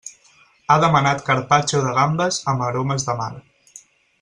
Ha demanat carpaccio de gambes amb aromes de mar.